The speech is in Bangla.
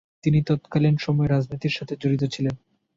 তিনি তৎকালীন সময়ে রাজনীতির সাথে জড়িত ছিলেন।